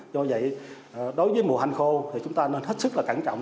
do vậy đối với mùa hành khô thì chúng ta nên hết sức cảnh trọng